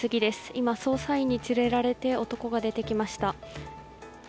今、捜査員に連れられて男が出てきました。